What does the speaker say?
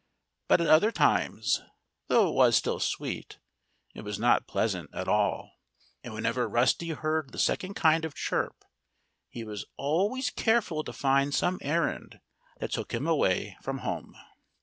But at other times though it was still sweet it was not pleasant at all. And whenever Rusty heard that second kind of chirp he was always careful to find some errand that took him away from home.